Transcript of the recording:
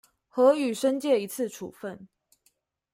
核予申誡一次處分